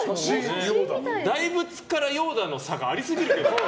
大仏からヨーダの差がありすぎるよ。